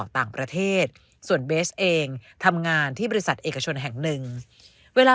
ต่างประเทศส่วนเบสเองทำงานที่บริษัทเอกชนแห่งหนึ่งเวลา